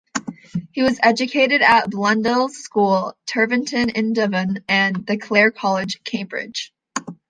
He was educated at Blundell's School, Tiverton in Devon, and at Clare College, Cambridge.